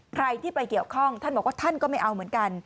ใครที่ไปเกี่ยวข้องท่านบอกว่าท่านก็ไม่เอาเหมือนกัน